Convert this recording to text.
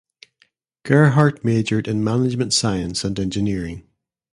Gerhart majored in Management Science and Engineering.